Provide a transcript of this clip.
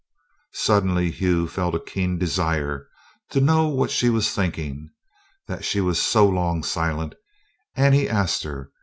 Suddenly Hugh felt a keen desire to know what she was thinking, that she was so long silent, and he asked her.